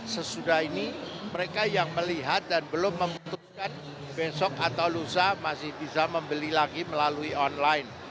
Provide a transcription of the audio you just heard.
sesudah ini mereka yang melihat dan belum membutuhkan besok atau lusa masih bisa membeli lagi melalui online